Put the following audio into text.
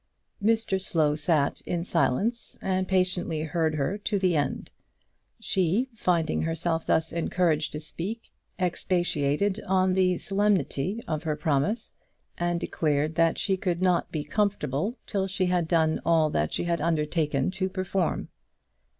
Mr Slow sat in silence and patiently heard her to the end. She, finding herself thus encouraged to speak, expatiated on the solemnity of her promise, and declared that she could not be comfortable till she had done all that she had undertaken to perform.